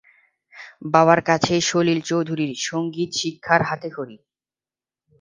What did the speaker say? বাবার কাছেই সলিল চৌধুরীর সংগীত শিক্ষার হাতেখড়ি।